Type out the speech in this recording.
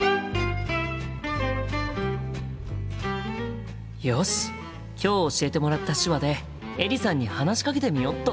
心の声よし今日教えてもらった手話でエリさんに話しかけてみよっと！